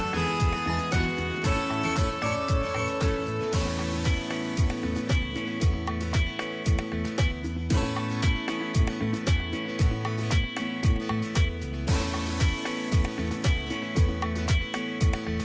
นี่คือภาพอากาศที่จะเกิดขึ้นหลังจากนี้เป็นต้นไปนะครับ